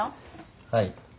はい。